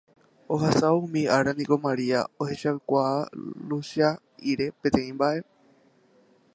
Ohasávo umi ára niko Maria ohechakuaa Luchia'íre peteĩ mba'e